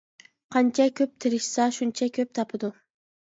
-قانچە كۆپ تىرىشسا شۇنچە كۆپ تاپىدۇ.